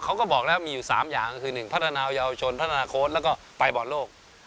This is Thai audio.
เขาก็บอกว่ามีอยู่สามอย่างคือ๑พัฒนายาวชน๒พัฒนาโค้ช๓ปลายบอลโลก